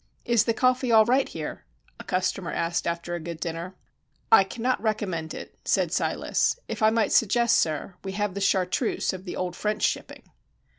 "Is the coffee all right here?" a customer asked after a good dinner. "I cannot recommend it," said Silas. "If I might suggest, sir, we have the Chartreuse of the old French shipping."